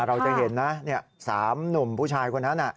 เราจะเห็นนะ๓หนุ่มผู้ชายคนนั้น